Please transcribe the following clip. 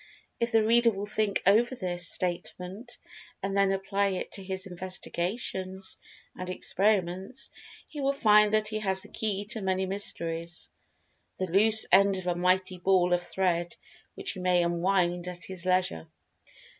If the reader will think over this statement, and then apply it to his investigations and experiments, he will find that he has the key to many mysteries—the loose end of a mighty ball of thread, which he may unwind at his leisure.